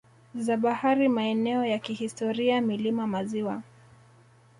za bahari maeneo ya kihistoria milima maziwa